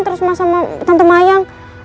yang gimana keadaan tante mayang sekarang mas